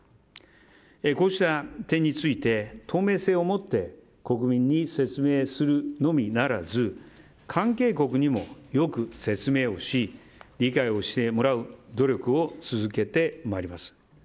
こうした点について透明性を持って国民に説明するのみならず関係国にも、よく説明をし理解をしてもらう努力を続けてまいります。